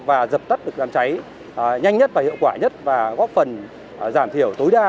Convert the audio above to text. và dập tắt được đám cháy nhanh nhất và hiệu quả nhất và góp phần giảm thiểu tối đa